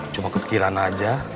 cuma kepikiran aja